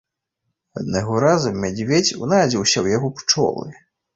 Аднаго разу мядзведзь унадзіўся ў яго пчолы.